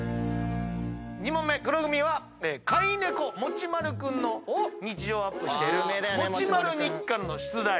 ２問目黒組は飼い猫もちまる君の日常をアップしている『もちまる日記』からの出題。